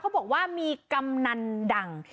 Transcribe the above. บอกว่ามีกำนันดัง